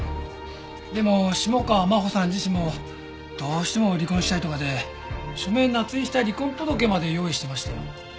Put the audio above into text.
でも下川真帆さん自身もどうしても離婚したいとかで署名捺印した離婚届まで用意していましたよ。